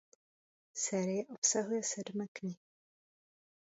Série obsahuje sedm knih.